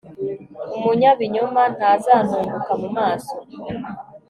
umunyabinyoma ntazantunguka mu maso